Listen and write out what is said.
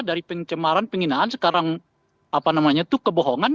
dari pencemaran penghinaan sekarang apa namanya itu kebohongan